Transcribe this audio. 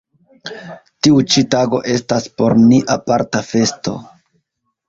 Tiu ĉi tago estas por ni aparta festo.